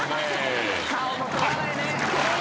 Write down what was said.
顔も取らないね。